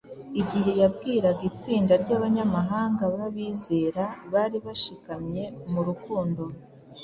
igihe yabwiraga itsinda ry’abanyamahanga b’abizera bari barashikamye mu rukundo